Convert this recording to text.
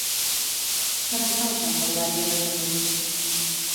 Per on cau Santa Eulària des Riu?